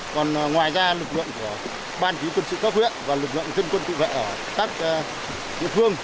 còn ngoài ra lực lượng của ban chỉ huy quân sự các huyện và lực lượng dân quân tự vệ ở các địa phương